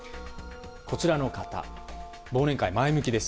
こちらの方、忘年会に前向きです。